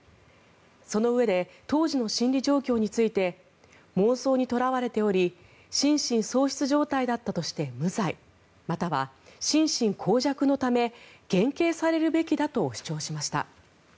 そのうえで当時の心理状況について妄想にとらわれており心神喪失状態だったとして無罪または心神耗弱のため減刑されるべきだと主張しました。